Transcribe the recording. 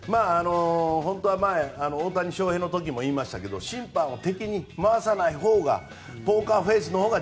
本当は前に大谷翔平の時も言いましたけど審判を敵に回さないほうがポーカーフェースのほうが